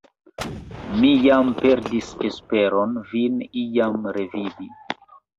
Mi jam perdis esperon vin iam revidi!